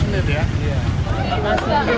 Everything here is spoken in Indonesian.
lima belas menit buat pembantu